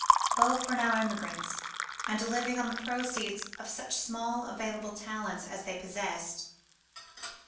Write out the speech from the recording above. Both were now emigrants, and living on the proceeds of such small available talents as they possessed.